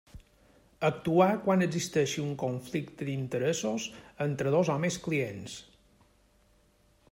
Actuar quan existeixi un conflicte d'interessos entre dos o més clients.